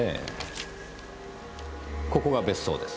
ここが別荘です。